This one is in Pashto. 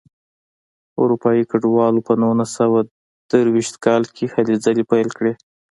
اروپایي کډوالو په نولس سوه درویشت کال کې هلې ځلې پیل کړې.